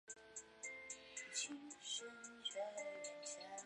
小尚帕尼亚人口变化图示